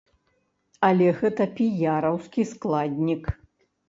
Але гэта піяраўскі складнік.